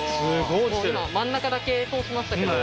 真ん中だけ通しましたけど。